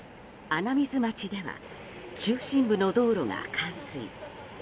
穴水町では中心部の道路が冠水。